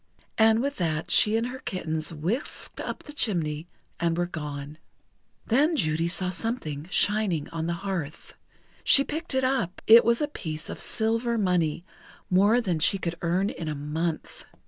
And with that she and her kittens whisked up the chimney, and were gone. Then Judy saw something shining on the hearth. She picked it up; it was a piece of silver money, more than she could earn in a month.